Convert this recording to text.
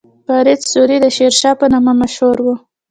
فرید سوري د شیرشاه په نامه مشهور و.